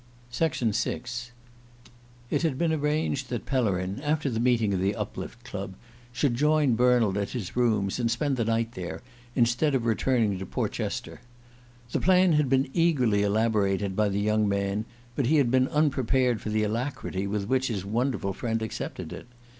VI IT had been arranged that Pellerin, after the meeting of the Uplift Club, should join Bernald at his rooms and spend the night there, instead of returning to Portchester. The plan had been eagerly elaborated by the young man, but he had been unprepared for the alacrity with which his wonderful friend accepted it.